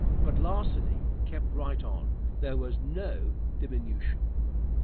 But larceny kept right on. There was no diminution.